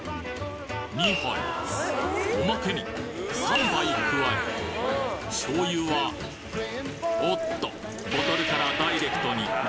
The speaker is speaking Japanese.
２杯おまけに３杯加え醤油はおっとボトルからダイレクトにドボドボとイン